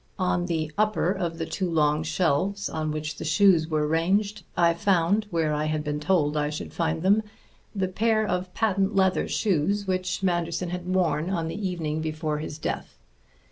On the upper of the two long shelves on which the shoes were ranged I found, where I had been told I should find them, the pair of patent leather shoes which Manderson had worn on the evening before his death.